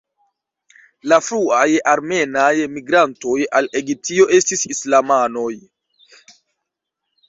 La fruaj armenaj migrantoj al Egiptio estis islamanoj.